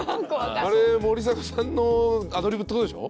あれ森迫さんのアドリブってことでしょ？